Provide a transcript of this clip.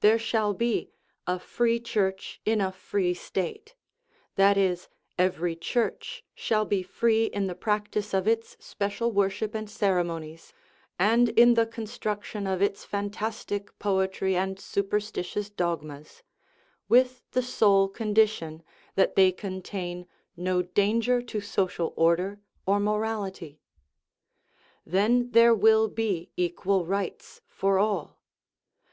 There shall be "a free Church in a free State" that is, every Church shall be free in the practice of its special worship and ceremonies, and in the construction of its fantastic poetry and superstitious dogmas with the sole con dition that they contain no danger to social order or 360 OUR MONISTIC ETHICS morality. Then there will be equal rights for all.